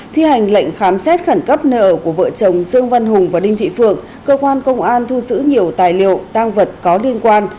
thi hành lệnh khám xét khẩn cấp nơi ở của vợ chồng dương văn hùng và đinh thị phượng cơ quan công an thu giữ nhiều tài liệu tăng vật có liên quan